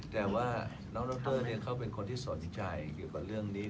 แต่ว่าน้องดรเขาเป็นคนที่สนใจเกี่ยวกับเรื่องนี้